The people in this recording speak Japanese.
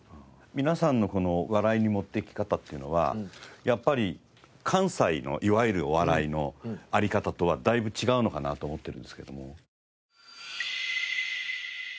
皆さんの笑いの持っていき方っていうのはやっぱり関西のいわゆるお笑いのあり方とはだいぶ違うのかなと思ってるんですけども。